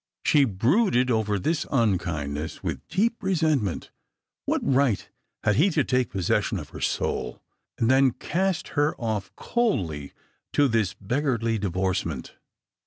She brooded over this unkindness with deep resentment. What right had he to take possession of her soul, and then cast her off coldly to this " beggarly divorcement"